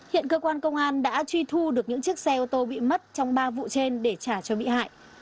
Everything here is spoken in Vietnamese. hiện cơ quan công an đã truy thu được những chiếc xe ô tô bị mất trong ba vụ trên để trả cho bị hại